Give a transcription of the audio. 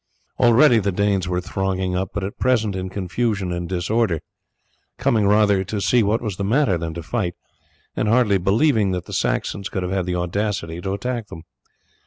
Already the Danes were thronging up, but at present in confusion and disorder, coming rather to see what was the matter than to fight, and hardly believing that the Saxons could have had the audacity to attack them.